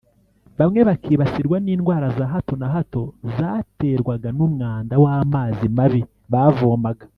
bamwe bakibasirwa n’indwara za hato na hato zaterwaga n’umwanda w’amazi mabi bavomaga